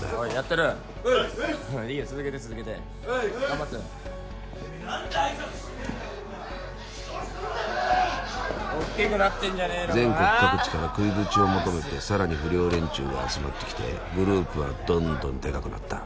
てめぇなん挨拶しねぇんだよこらぶ全国各地から食いぶちを求めて更に不良連中が集まってきてグループはどんどんでかくなった。